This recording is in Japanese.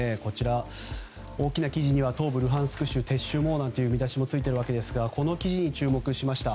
大きな記事には東部ルハンシク州撤退もという見出しもついていますがこの記事に注目しました。